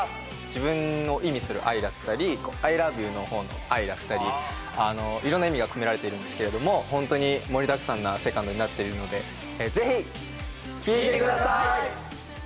自分を意味する「Ｉ」だったりアイラブユーのほうの「愛」だったりいろんな意味が込められているんですけれども本当に盛りだくさんなセカンドになっているのでぜひ聴いてください！